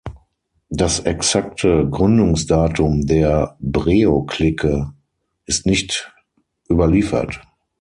Das exakte Gründungsdatum der Breo-Clique ist nicht überliefert.